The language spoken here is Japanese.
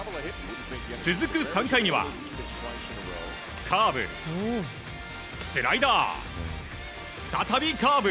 続く３回にはカーブ、スライダー再びカーブ。